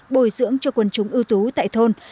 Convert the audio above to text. bồi dưỡng cho quân chúng ưu tú tại thôn